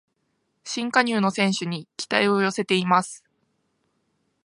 新加入の選手に期待を寄せています